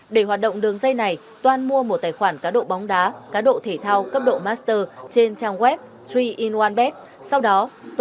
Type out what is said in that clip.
để hoạt động đường dây này toan mua một tài khoản cá độ bóng đá cá độ thể thao cấp độ master trên trang web ba in một bet